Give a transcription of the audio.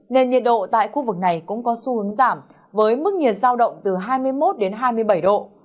nên nhiệt độ tại khu vực này cũng có xu hướng giảm với mức nhiệt giao động từ hai mươi một hai mươi bảy độ